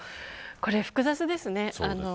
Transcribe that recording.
これ、複雑ですね。